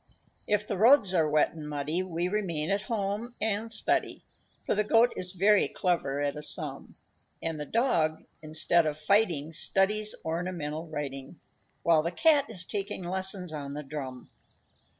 "] _If the roads are wet and muddy We remain at home and study, For the Goat is very clever at a sum, And the Dog, instead of fighting, Studies ornamental writing, While the Cat is taking lessons on the drum.